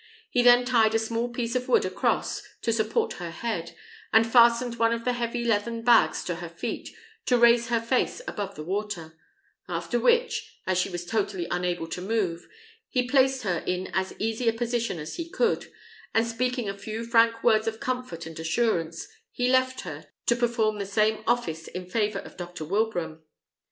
He then tied a small piece of wood across, to support her head, and fastened one of the heavy leathern bags to her feet, to raise her face above the water; after which, as she was totally unable to move, he placed her in as easy a position as he could, and speaking a few frank words of comfort and assurance, he left her, to perform the same office in favour of Dr. Wilbraham.